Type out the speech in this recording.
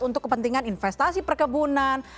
untuk kepentingan investasi perkebunan